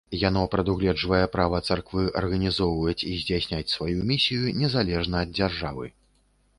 Яно прадугледжвае права царквы арганізоўваць і здзейсняць сваю місію незалежна ад дзяржавы.